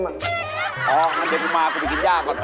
อ๋ออย่างนั้นเดี๋ยวทุ่มมากูไปกินย่าก่อน